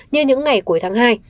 như những ngày cuối tháng hai